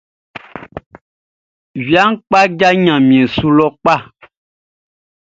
Viaʼn kpadja ɲanmiɛn su lɔ kpa.